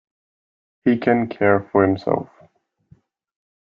He can care for himself.